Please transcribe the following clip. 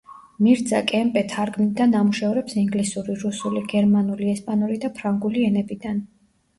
მირძა კემპე თარგმნიდა ნამუშევრებს ინგლისური, რუსული, გერმანული, ესპანური და ფრანგული ენებიდან.